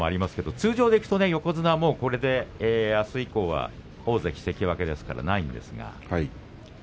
通常は横綱は、あす以降は大関関脇ですからないんですが。